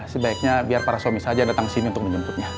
sebaiknya biar para suami saja datang ke sini untuk menjemputnya